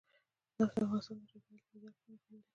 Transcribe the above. نفت د افغانستان د چاپیریال د مدیریت لپاره مهم دي.